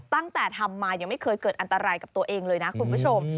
ตั้งแต่ทำมายังไม่เคยเกิดอันตรายกับตัวเองเลยนะคุณผู้ชม